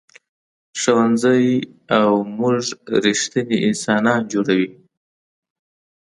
ښوونځی له موږ ریښتیني انسانان جوړوي